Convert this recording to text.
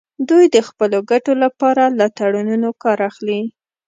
دوی د خپلو ګټو لپاره له تړونونو کار اخلي